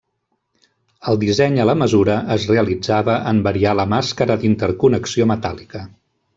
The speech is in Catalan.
El disseny a la mesura es realitzava en variar la màscara d'interconnexió metàl·lica.